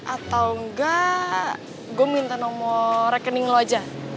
atau enggak gue minta nomor rekening lo aja